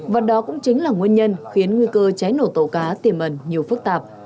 và đó cũng chính là nguyên nhân khiến nguy cơ cháy nổ tàu cá tiềm ẩn nhiều phức tạp